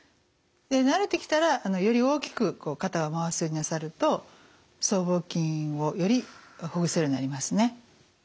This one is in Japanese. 慣れてきたらより大きく肩を回すようになさると僧帽筋をよりほぐせるようになりますね。